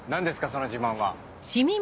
その自慢は。